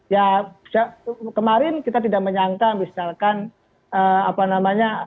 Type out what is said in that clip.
ya kemarin kita tidak menyangka misalkan apa namanya